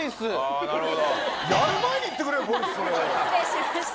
失礼しました。